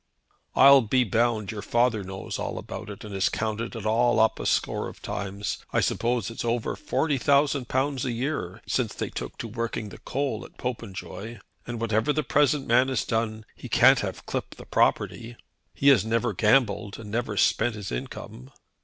I'll be bound your father knows all about it, and has counted it all up a score of times. I suppose it's over £40,000 a year since they took to working the coal at Popenjoy, and whatever the present man has done he can't have clipped the property. He has never gambled, and never spent his income.